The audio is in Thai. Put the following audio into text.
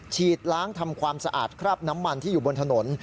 ฉีดล้างทำความสะอาดคราบน้ำมันที่อยู่บนถนน